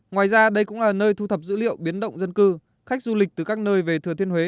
ngoài ra đây cũng là nơi thu thập dữ liệu biến động dân cư khách du lịch từ các nơi về thừa thiên huế